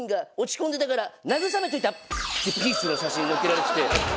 ピースの写真載っけられてて。